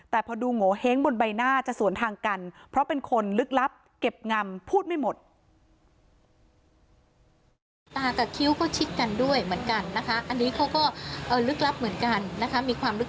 แต่พอดูโงเห้งบนใบหน้าจะสวนทางกันเพราะเป็นคนลึกลับเก็บงำพูดไม่หมด